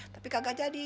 tapi kagak jadi